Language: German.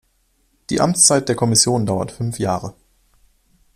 Die Amtszeit der Kommission dauert fünf Jahre.